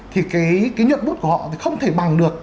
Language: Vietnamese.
thì cái nhận bút của họ thì không thể bằng được